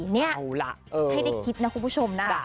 ๐๓๔นี่ให้ได้คิดนะคุณผู้ชมนะ